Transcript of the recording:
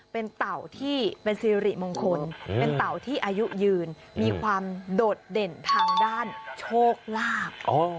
เป็นเต่าที่เป็นสิริมงคลเป็นเต่าที่อายุยืนมีความโดดเด่นทางด้านโชคลาภ